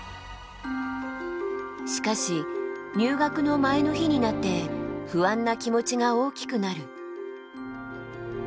しかし入学の前の日になって不安な気持ちが大きくなる。